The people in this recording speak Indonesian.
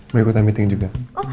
mau ikutan meeting juga